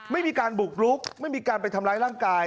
ไม่มีการบุกรุกไม่มีการไปทำร้ายร่างกาย